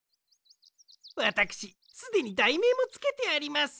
わたくしすでにだいめいもつけてあります。